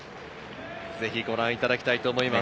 ぜひご覧いただきたいと思います。